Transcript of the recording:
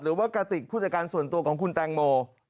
กระติกผู้จัดการส่วนตัวของคุณแตงโม